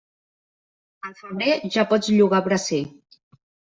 Al febrer, ja pots llogar bracer.